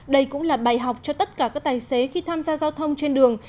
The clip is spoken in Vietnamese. đây cũng là bài học cho tất cả các tài xế khi tham gia giao thông trên đường